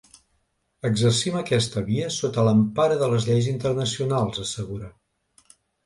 Exercim aquesta via sota l’empara de les lleis internacionals, assegura.